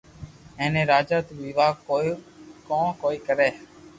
ھين اي راجا تو ويوا ڪون ڪوئي ڪري